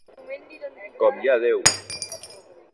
Com hi ha Déu!